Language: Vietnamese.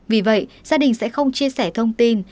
vì vậy gia đình sẽ không chia sẻ thông tin